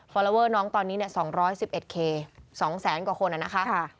ฟอร์โลเวอร์น้องตอนนี้เนี่ยสองร้อยสิบเอ็ดเคสองแสนกว่าคนอ่ะนะคะ